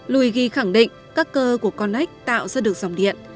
luigi khẳng định các cơ của con ếch tạo ra được dòng điện